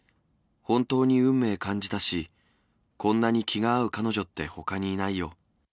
本当に運命感じたし、こんなに気が合う彼女ってほかにいないよ。